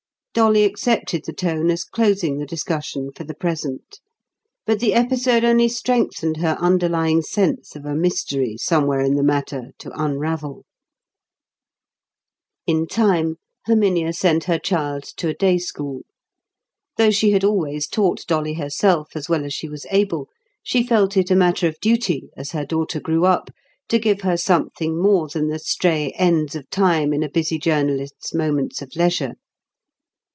Dolly accepted the tone as closing the discussion for the present; but the episode only strengthened her underlying sense of a mystery somewhere in the matter to unravel. In time, Herminia sent her child to a day school. Though she had always taught Dolly herself as well as she was able, she felt it a matter of duty, as her daughter grew up, to give her something more than the stray ends of time in a busy journalist's moments of leisure.